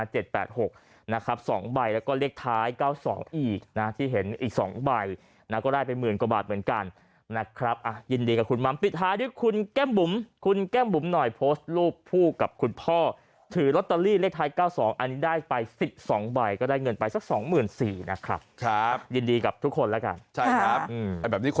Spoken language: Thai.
ใช่ไหมเลขท้าย๒ตัว๙๒แล้วคุณอ๋อมซื้อมา๕ใบ